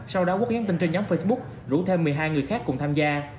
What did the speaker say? sau đó quốc nhắn tin trên nhóm facebook rủ thêm một mươi hai người khác cùng tham gia